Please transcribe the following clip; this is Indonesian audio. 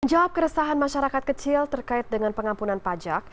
menjawab keresahan masyarakat kecil terkait dengan pengampunan pajak